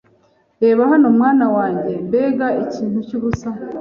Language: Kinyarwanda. Reba hano mwana wanjye mbega ikintu cyubusa